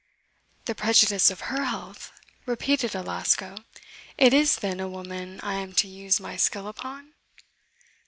"The prejudice of HER health!" repeated Alasco; "it is, then, a woman I am to use my skill upon?"